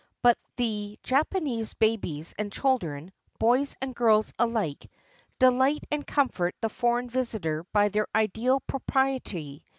But the Japanese babies and children — boys and girls alike — dehght and comfort the foreign visitor by their ideal propriety.